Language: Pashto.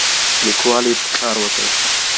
ليکوال ابتکار وکړ.